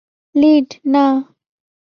Lead, না।